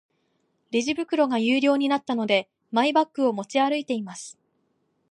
レジ袋が有料になったので、マイバッグを持ち歩いています。